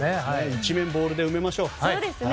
一面ボールで埋めましょう！